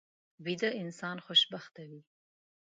ویده انسان خوشبخته وي